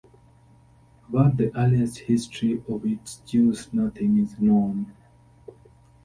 About the earliest history of its Jews nothing is known.